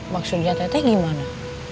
maksudnya teteh gimana